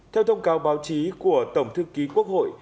theo thông cáo báo chí của tổng thư ký quốc hội